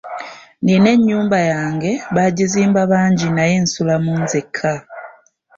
Nina ennyumba yange baagizimba bangi naye nsulamu nzekka.